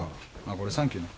これサンキューな。